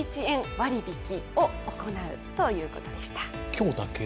今日だけ？